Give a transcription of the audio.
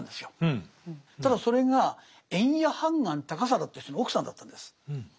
ただそれが塩谷判官高貞という人の奥さんだったんです。